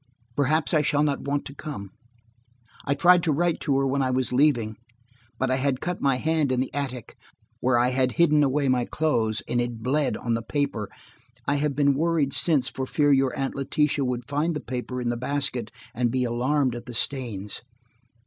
Perhaps I shall not want to come. I tried to write to her when I was leaving, but I had cut my hand in the attic, where I had hidden away my clothes, and it bled on the paper. I have been worried since for fear your Aunt Letitia would find the paper in the basket, and be alarmed at the stains.